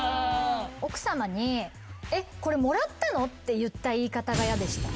奥さまに「これもらったの？」って言った言い方が嫌でした。